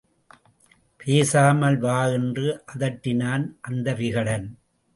பேசாமல் வா! என்று அதட்டினான் அந்த விகடன்.